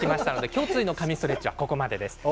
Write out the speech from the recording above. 胸椎の神ストレッチはここまでです。